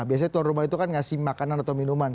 biasanya tuan rumah itu kan ngasih makanan atau minuman